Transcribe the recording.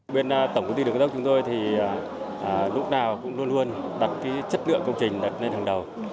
bên tổng công ty đường cao tốc chúng tôi thì lúc nào cũng luôn luôn đặt chất lượng công trình đặt lên hàng đầu